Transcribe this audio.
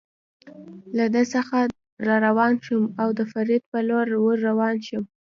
له ده څخه را روان شوم، د او فرید په لور ور روان شوم.